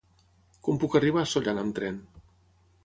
Com puc arribar a Sollana amb tren?